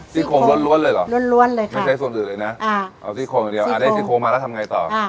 ซีโครมล้วนเลยเหรอไม่ใช่ส่วนอื่นเลยนะเอาซีโครมเดียวเอาได้ซีโครมมาแล้วทำไงต่อ